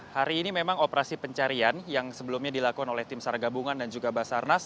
hari ini memang operasi pencarian yang sebelumnya dilakukan oleh tim sargabungan dan juga basarnas